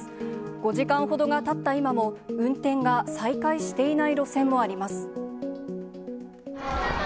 ５時間ほどがたった今も、運転が再開していない路線もあります。